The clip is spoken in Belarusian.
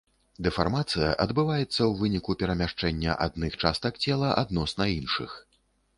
Дэфармацыя адбываецца ў выніку перамяшчэння адных частак цела адносна іншых.